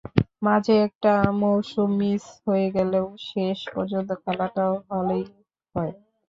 মাঝে একটা মৌসুম মিস হয়ে গেলেও শেষ পর্যন্ত খেলাটা হলেই হয়।